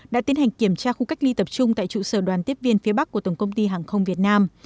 đã tiến hành kiểm tra khu cách ly tập trung tại trụ sở đoàn tiếp viên phía bắc của tổng công ty hàng không việt nam